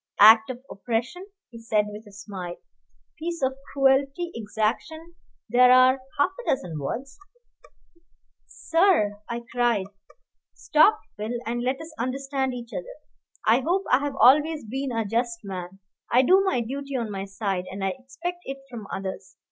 "Act of oppression," he said, with a smile "piece of cruelty, exaction there are half a dozen words " "Sir " I cried. "Stop, Phil, and let us understand each other. I hope I have always been a just man. I do my duty on my side, and I expect it from others.